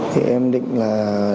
thì em định là